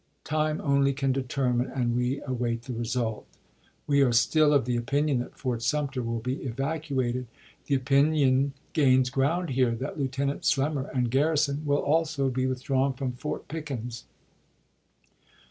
Time only can determine, and we await the result. We are still of the opin ion that Fort Sumter will be evacuated. The The com opinion gains ground here that Lieutenant Slemmer to m£ and garrison will also be withdrawn from Fort Pickens."